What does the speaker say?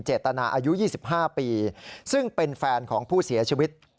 ตนาอายุ๒๕ปีซึ่งเป็นแฟนของผู้เสียชีวิต